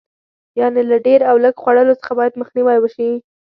یعنې له ډېر او لږ خوړلو څخه باید مخنیوی وشي.